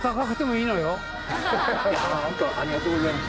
ありがとうございます。